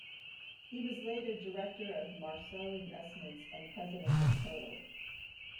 He was later director of Marceau Investissements and President of Total.